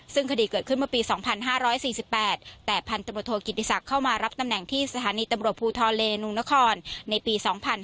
ซึ่งคดีเกิดขึ้นเมื่อปี๒๕๔๘แต่พันธบทโทกิติศักดิ์เข้ามารับตำแหน่งที่สถานีตำรวจภูทรเลนุงนครในปี๒๕๕๙